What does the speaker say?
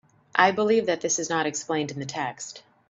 I believe that this is not explained in the text.